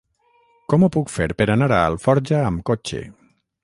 Com ho puc fer per anar a Alforja amb cotxe?